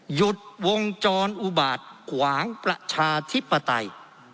หยุดวงจรอุบาตขวางประชาธิปไตย